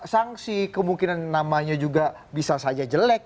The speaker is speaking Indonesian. jadi kemungkinan namanya juga bisa saja jelek